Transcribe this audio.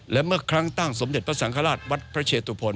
และเมื่อครั้งตั้งสมเด็จพระสังฆราชวัดพระเชตุพล